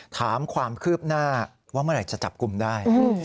ถามความคืบหน้าว่าเมื่อไหร่จะจับกลุ่มได้